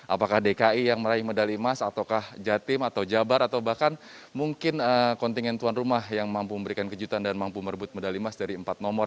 apakah dki yang meraih medali emas ataukah jatim atau jabar atau bahkan mungkin kontingen tuan rumah yang mampu memberikan kejutan dan mampu merebut medali emas dari empat nomor